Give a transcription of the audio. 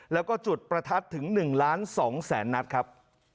แล้วก็จุดประทัดถึง๑ล้าน๒แสนนัดครับ